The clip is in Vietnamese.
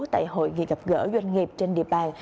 tại hội gặp gỡ doanh nghiệp trên địa bàn